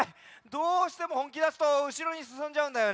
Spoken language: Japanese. どうしてもほんきだすとうしろにすすんじゃうんだよね。